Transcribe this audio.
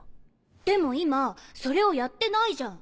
でも今それをやってないじゃん。